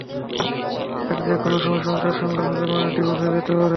এক, যেকোনো সময় সংসার সাঙ্গ হবে, মানে ডিভোর্স হয়ে যেতে পারে।